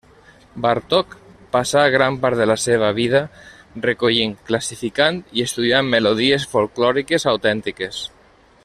Bartók passà gran part de la seva vida recollint, classificant i estudiant melodies folklòriques autèntiques.